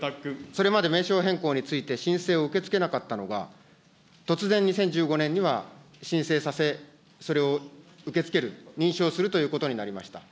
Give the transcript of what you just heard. それまで名称変更について申請を受け付けなかったのが、突然２０１５年には申請させ、それを受け付ける、認証するということになりました。